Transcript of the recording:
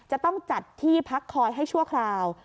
จะต้องจัดที่พักคอยให้ชั่วคราว